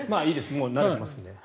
もう慣れていますので。